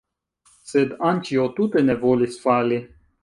Sed Anĉjo tute ne volis fali.